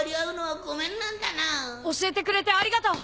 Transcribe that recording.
教えてくれてありがとう！